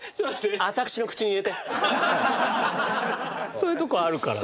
そういうとこあるからね。